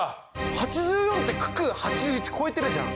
８４って九九８１超えてるじゃん！